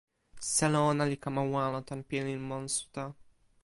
selo ona li kama walo tan pilin monsuta.